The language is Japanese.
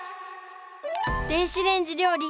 電子レンジ料理